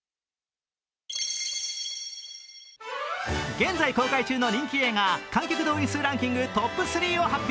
現在公開中の人気映画観客動員数ランキングトップ３を発表。